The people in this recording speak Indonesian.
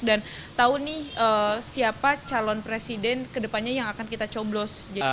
dan tahu nih siapa calon presiden kedepannya yang akan kita coblos